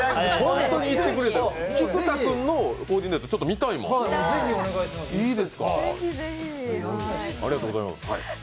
菊田君のコーディネート、見たいもの。